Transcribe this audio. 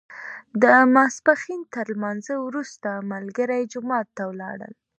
د ماسپښین تر لمانځه وروسته ملګري جومات ته ولاړل.